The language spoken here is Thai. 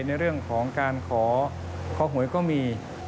ในเรื่องของการขอหวยก็มี